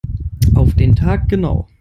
Auf den Tag genau.